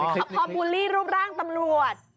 เขาพอบูลลี่รูปร่างตำรวจ